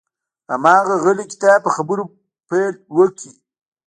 هماغه غلی کتاب په خبرو پیل وکړي.